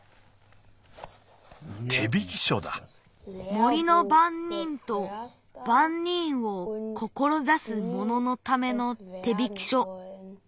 「森のばんにんとばんにんをこころざすもののためのてびきしょ」。